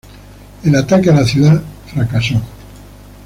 El ataque a la ciudad fracasó.